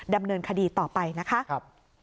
ดำเนินคดีต่อไปนะคะ